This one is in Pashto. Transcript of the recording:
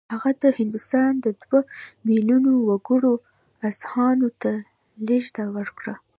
هغه د هندوستان د دوه میلیونه وګړو اذهانو ته لېږد ورکړ